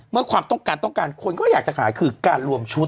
ความต้องการต้องการคนก็อยากจะขายคือการรวมชุด